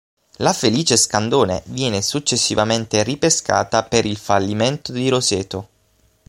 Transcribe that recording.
La Felice Scandone viene successivamente ripescata per il fallimento di Roseto.